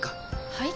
はい？